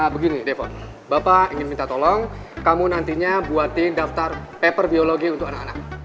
begini depo bapak ingin minta tolong kamu nantinya buatin daftar paper biologi untuk anak anak